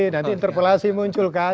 nanti interpolasi muncul kan